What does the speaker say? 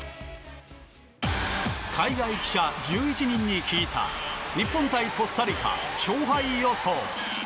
海外記者１１人に聞いた日本対コスタリカ勝敗予想。